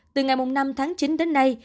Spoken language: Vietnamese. từ ngày năm tháng chín đến nay